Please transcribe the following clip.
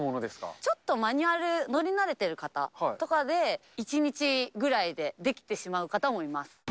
ちょっとマニュアル乗り慣れている方とかで、１日ぐらいでできてしまう方もいます。